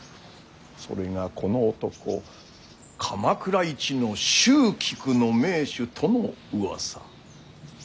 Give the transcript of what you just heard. それがこの男鎌倉一の蹴鞠の名手とのうわさ。